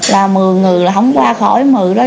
là mười người là không qua khỏi mười đó